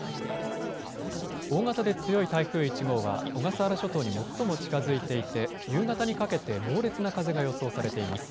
大型で強い台風１号は小笠原諸島に最も近づいていて夕方にかけて猛烈な風が予想されています。